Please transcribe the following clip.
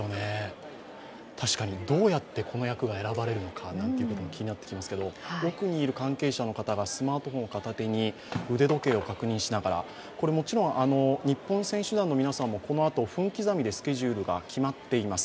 確かにどうやってこの役が選ばれるのか気になってきますけれども、奥にいる関係者の方がスマートフォンを片手に腕時計を確認しながらもちろん日本選手団の皆さんもこのあと分刻みでスケジュールが決まっています。